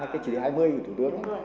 cái chỉ lý hai mươi của thủ tướng